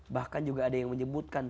bahkan juga ada yang menyebutkan